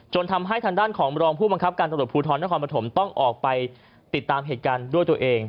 ทำให้ทางด้านของรองผู้บังคับการตำรวจภูทรนครปฐมต้องออกไปติดตามเหตุการณ์ด้วยตัวเอง